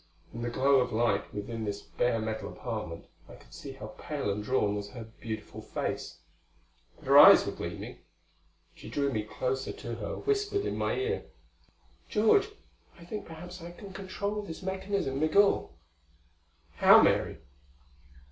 In the glow of light within this bare metal apartment I could see how pale and drawn was her beautiful face. But her eyes were gleaming. She drew me closer to her; whispered into my ear: "George, I think perhaps I can control this mechanism, Migul." "How, Mary?"